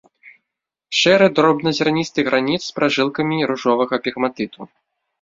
Шэры дробназярністы граніт з пражылкамі ружовага пегматыту.